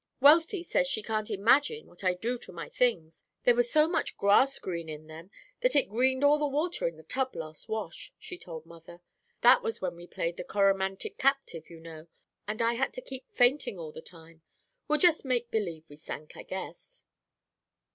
Wealthy says she can't imagine what I do to my things; there was so much grass green in them that it greened all the water in the tub last wash, she told mother; that was when we played the Coramantic Captive, you know, and I had to keep fainting all the time. We'll just make believe we sank, I guess.